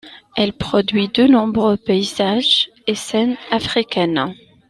Elle produit de nombreux paysages et scènes africaines.